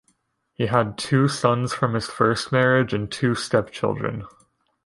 He had two sons from his first marriage and two stepchildren.